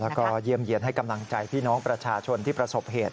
แล้วก็เยี่ยมเยี่ยนให้กำลังใจพี่น้องประชาชนที่ประสบเหตุ